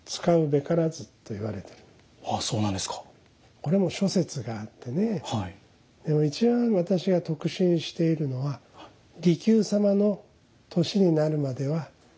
これも諸説があってね一番私が得心しているのは利休様の年になるまでは使うべからずと。